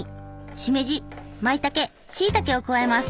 しめじまいたけしいたけを加えます。